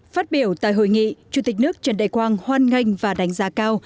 phát biểu tại hội nghị chủ tịch nước trần đại quang hoan nghênh và đánh giá cao